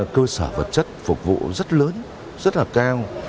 cơ sở vật chất phục vụ rất lớn rất là cao